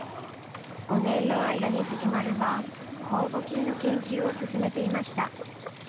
５年の間に藤丸は酵母菌の研究を進めていました。